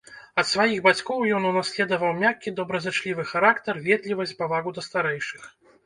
Ад сваіх бацькоў ён унаследаваў мяккі, добразычлівы характар, ветлівасць, павагу да старэйшых.